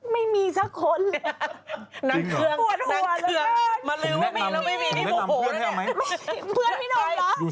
ไม่มี่สักคน